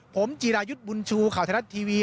ผมจีรายุทธ์บุญชูข่าวไทยรัฐทีวี